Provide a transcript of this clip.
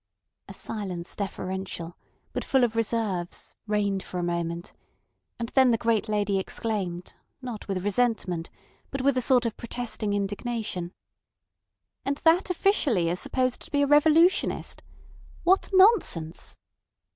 A silence deferential, but full of reserves, reigned for a moment, and then the great lady exclaimed, not with resentment, but with a sort of protesting indignation: "And that officially is supposed to be a revolutionist! What nonsense."